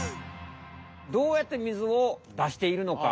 どうやって水を出しているのか？